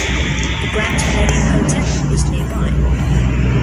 The Grand Millennium Hotel is nearby.